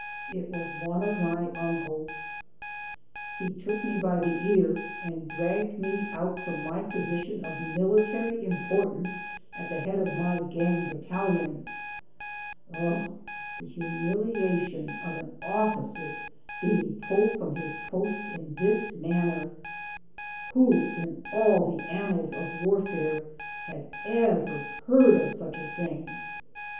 It was one of my uncles. He took me by the ear and dragged me out from my position of military importance at the head of my gang bat talion. 0, the humiliation of an officer being pulled from his post in this manner! Who in all the an nals of warfare had ever heard of such a thing?